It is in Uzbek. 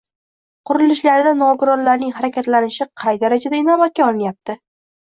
Qurilishlarda nogironlarning harakatlanishi qay darajada inobatga olinyapti?ng